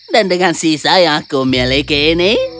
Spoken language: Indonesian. dan dengan sisa yang aku miliki ini